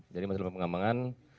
jadi masih dalam pengembangan